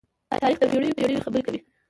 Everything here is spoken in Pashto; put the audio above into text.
تاریخ د پېړيو پېړۍ خبرې کوي.